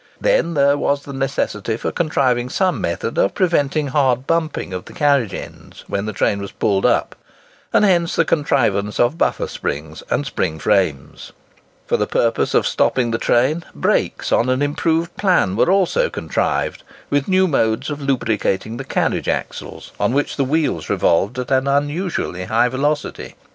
Then there was the necessity for contriving some method of preventing hard bumping of the carriage ends when the train was pulled up; and hence the contrivance of buffer springs and spring frames. For the purpose of stopping the train, brakes on an improved plan were also contrived, with new modes of lubricating the carriage axles, on which the wheels revolved at an unusually high velocity.